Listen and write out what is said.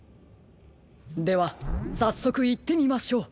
ではさっそくいってみましょう。